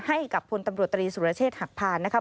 ให้กับพลตำรวจตรีสุรเชษฐหักพานนะครับ